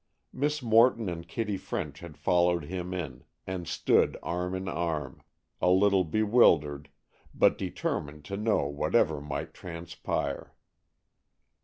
Miss Morton and Kitty French had followed him in, and stood arm in arm, a little bewildered, but determined to know whatever might transpire.